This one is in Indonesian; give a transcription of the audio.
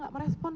dia gak merespon